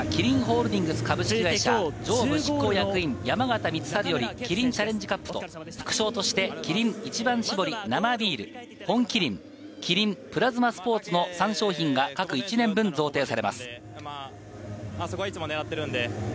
勝利チームの日本代表にはキリンホールディングス株式会社、常務執行役員・山形光晴より、キリンチャレンジカップと副賞として、キリン『一番搾り生ビール』、『本麒麟』、キリン『プラズマスポーツ』の３商品が各１年分、贈呈されます。